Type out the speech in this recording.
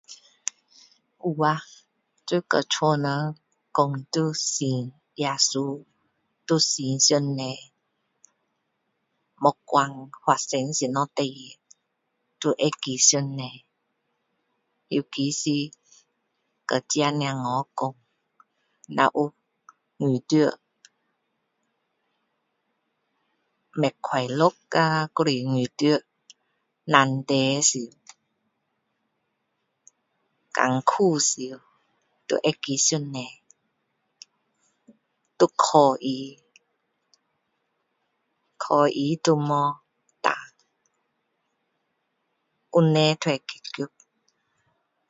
有啊，要跟家里人讲要信耶稣，要信上帝。。不管发生什么事情，都要记得上帝。尤其是跟自家小孩讲，如有遇到no sound] 不快乐啊还是难题时，辛苦时，都记得上帝。都靠他，靠他就没错，问题都会解决。